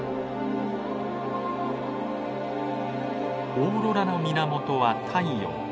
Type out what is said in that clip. オーロラの源は太陽。